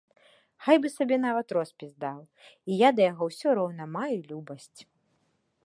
Хай бы сабе нават роспіс даў, і я да яго ўсё роўна маю любасць.